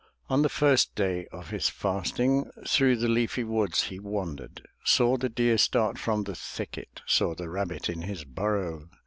On the first day of his fasting Through the leafy woods he wandered; Saw the deer start from the thicket, Saw the rabbit in his burrow.